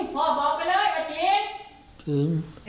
จริงพ่อบอกไปเลยว่าจริง